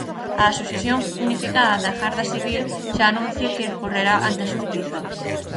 A Asociación Unificada da Garda Civil xa anuncia que recorrerá ante a xustiza.